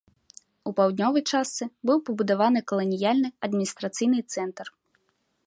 У паўднёвай частцы быў пабудаваны каланіяльны адміністрацыйны цэнтр.